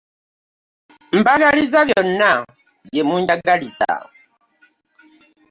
Mbaagaliza byonna bye munjagaliza.